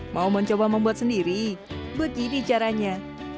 mau mencoba membuat sendiri begini caranya